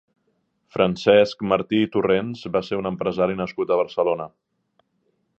Francesc Martí i Torrents va ser un empresari nascut a Barcelona.